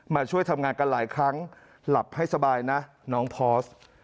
มาช่วยทำงานกันหลายครั้งหลับให้สบายนะน้องพอส